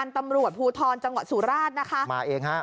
นี่มันเป็นไงนี่มันเป็นไง